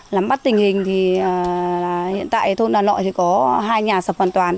làm bắt tình hình thì hiện tại thôn nà lọi có hai nhà sập hoàn toàn